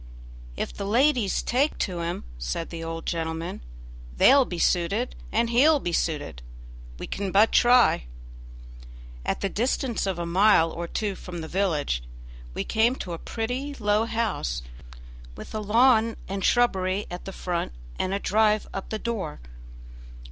"If the ladies take to him," said the old gentleman, "they'll be suited and he'll be suited. We can but try." At the distance of a mile or two from the village we came to a pretty, low house, with a lawn and shrubbery at the front and a drive up to the door.